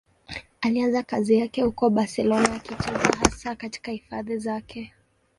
Alianza kazi yake huko Barcelona, akicheza hasa katika hifadhi zake.